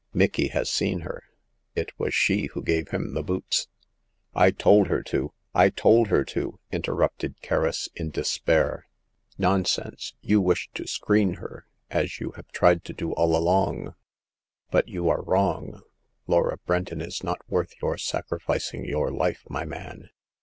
" Micky has seen her ; it was she who gave him the boots." I told her to ; I told her to !" interrupted Kerris, in despair. " Nonsense ! you wish to screen her, as you have tried to do all along. But you are wrong. Laura Benton is not worth your sacrificing your life, my man.